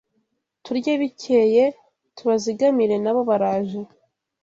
Turye bikeye tubazigamire nabo baraje